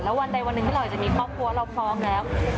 แล้ววันใดวันนึงที่เราจะมีครอบครัวเราพร้อมเนี่ย